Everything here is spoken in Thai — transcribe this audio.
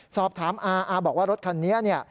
สอบถามอาอาบอกว่ารถคันนี้เนี่ย